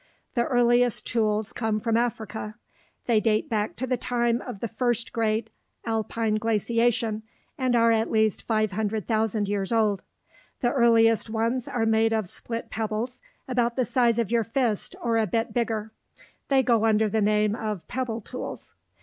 The earliest tools come from Africa. They date back to the time of the first great alpine glaciation and are at least 500,000 years old. The earliest ones are made of split pebbles, about the size of your fist or a bit bigger. They go under the name of pebble tools.